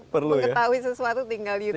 perlu mengetahui sesuatu tinggal youtube ya